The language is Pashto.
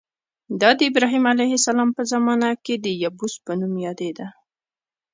دا د ابراهیم علیه السلام په زمانه کې د یبوس په نوم یادېده.